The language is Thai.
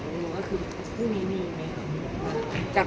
พี่อัดมาสองวันไม่มีใครรู้หรอก